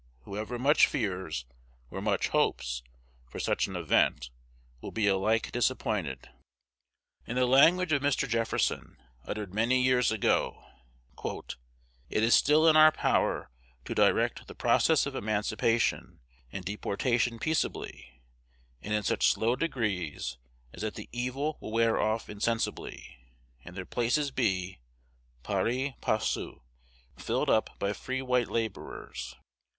Whoever much fears, or much hopes, for such an event will be alike disappointed. In the language of Mr. Jefferson, uttered many years ago, "It is still in our power to direct the process of emancipation and deportation peaceably, and in such slow degrees, as that the evil will wear off insensibly; and their places be, pari passu, filled up by free white laborers.